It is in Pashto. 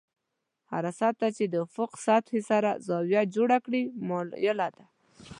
هره سطحه چې د افق سطحې سره زاویه جوړه کړي مایله ده.